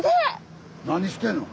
何してんの？